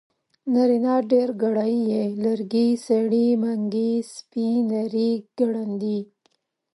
نارينه ډېرګړی ي لرګي سړي منګي سپي نري ګړندي